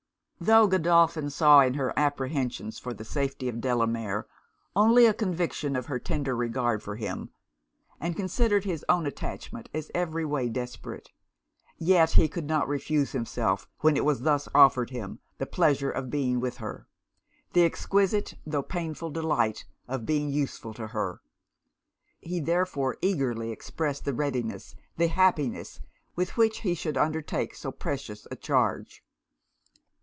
Tho' Godolphin saw in her apprehensions for the safety of Delamere, only a conviction of her tender regard for him, and considered his own attachment as every way desperate; yet he could not refuse himself, when it was thus offered him, the pleasure of being with her the exquisite tho' painful delight of being useful to her. He therefore eagerly expressed the readiness, the happiness, with which he should undertake so precious a charge.